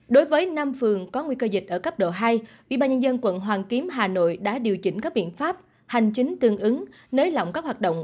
đối với năm phường có nguy cơ dịch ở cấp độ hai ubnd quận hoàn kiếm hà nội đã điều chỉnh các biện pháp hành chính tương ứng nới lỏng các hoạt động